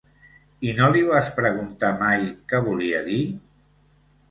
I no li vas preguntar mai què volia dir?